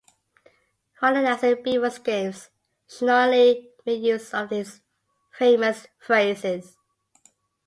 While announcing Beavers games, Schonely made use of his famous phrases.